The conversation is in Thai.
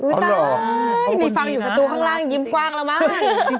ไม่ต้องมีฟังอยู่ศัตรูข้างล่างยิ้มกว้างแล้วมาก